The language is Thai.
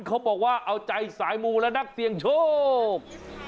เขาบอกว่าเอาใจสายมูและนักเสี่ยงโชค